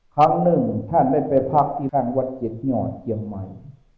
ครั้งหนึ่งท่านได้ไปพักที่ทางวัดเย็ดเหนียวเกียงใหม่